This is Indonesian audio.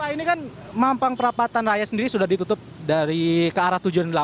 pak ini kan mampang perapatan raya sendiri sudah ditutup dari ke arah tujuh dan delapan